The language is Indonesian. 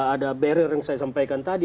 ada barrier yang saya sampaikan tadi